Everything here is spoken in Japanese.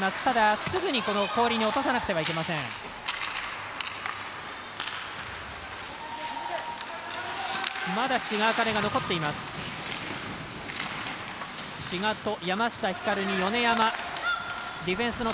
ただ、すぐに氷に落とさなくてはいけません。